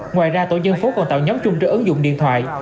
ngoài ra tổ dân phố còn tạo nhóm chung trên ứng dụng điện thoại